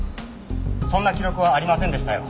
そんな記録はありませんでしたよ。